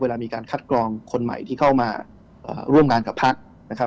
มีการคัดกรองคนใหม่ที่เข้ามาร่วมงานกับพักนะครับ